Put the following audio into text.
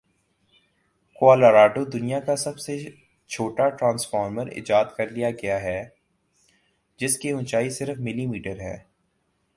Colorado دنیا کا سب سے چھوٹا ٹرانسفارمر ایجاد کرلیا گیا ہے جس کے اونچائی صرف ملی میٹر ہے